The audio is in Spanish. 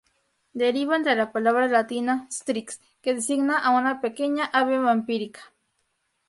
Derivan de la palabra latina "strix", que designa a una pequeña ave vampírica.